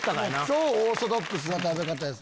超オーソドックスな食べ方です